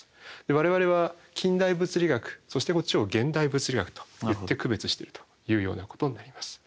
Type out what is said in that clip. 我々は近代物理学そしてこっちを現代物理学といって区別しているというようなことになります。